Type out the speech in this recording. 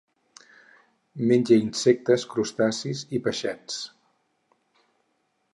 Menja insectes, crustacis i peixets.